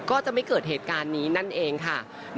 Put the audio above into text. ก็จะไม่เกิดเหตุการณ์นี้นั่นเองค่ะ